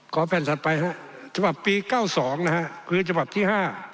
ขอแผ่นถัดไปฮะฉบับปี๙๒นะฮะคือฉบับที่๕